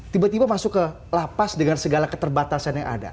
tiba tiba masuk ke lapas dengan segala keterbatasan yang ada